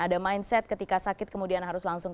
ada mindset ketika sakit kemudian harus langsung